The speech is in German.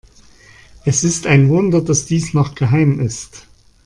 Es ist ein Wunder, dass dies noch geheim ist.